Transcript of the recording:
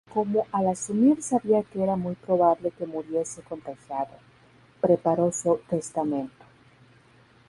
Como al asumir sabía que era muy probable que muriese contagiado, preparó su testamento.